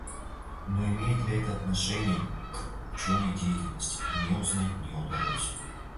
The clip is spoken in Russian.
Но имеет ли это отношение к ученой деятельности, мне узнать не удалось.